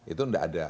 itu nggak ada